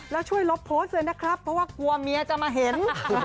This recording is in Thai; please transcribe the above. แล้วช่วยลบโพสต์เลยนะครับเพราะว่ากลัวเมียจะมาเห็น